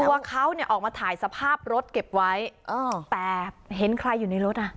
ตัวเขาเนี่ยออกมาถ่ายสภาพรถเก็บไว้แต่เห็นใครอยู่ในรถอ่ะ